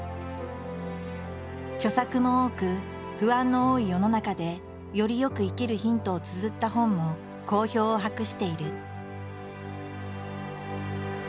著作も多く不安の多い世の中でより良く生きるヒントをつづった本も好評を博している。